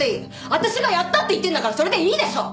私がやったって言ってんだからそれでいいでしょ！